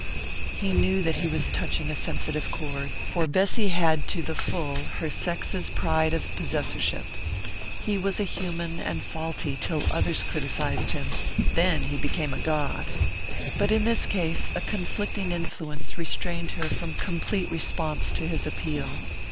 He knew that he was touching a sensitive chord, for Bessy had to the full her sex's pride of possessorship. He was human and faulty till others criticized him then he became a god. But in this case a conflicting influence restrained her from complete response to his appeal.